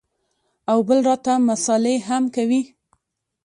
او بل راته مسالې هم کوې.